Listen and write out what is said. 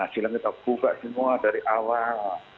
silam kita buka semua dari awal